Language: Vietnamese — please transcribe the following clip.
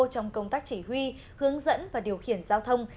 trong công tác chỉ huy hướng dẫn và điều khiển giao thông